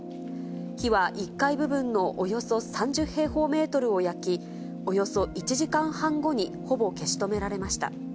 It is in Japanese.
火は１階部分のおよそ３０平方メートルを焼き、およそ１時間半後にほぼ消し止められました。